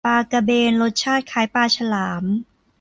ปลากระเบน รสชาติคล้ายปลาฉลาม